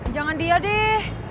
jangan dia deh